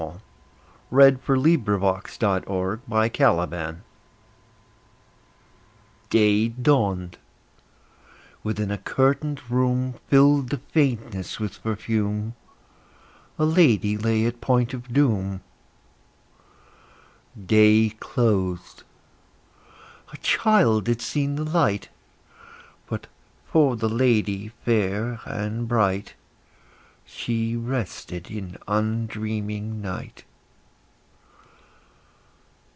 Q R . S T . U V . W X . Y Z History of a Life DAY dawned: within a curtained room, Filled to faintness with perfume, A lady lay at point of doom. Day closed; a child had seen the light; But, for the lady fair and bright, She rested in undreaming night.